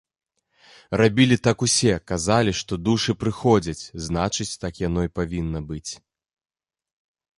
Рабілі так усе, казалі, што душы прыходзяць, значыць, так яно і павінна быць.